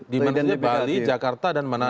dimaksudnya bali jakarta dan manado